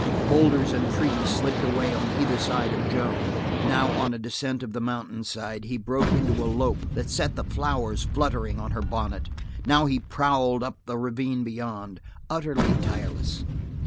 Boulders and trees slipped away on either side of Joan; now on a descent of the mountain side he broke into a lope that set the flowers fluttering on her bonnet; now he prowled up the ravine beyond, utterly tireless.